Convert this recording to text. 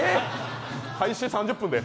開始３０分で？